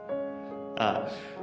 ああ。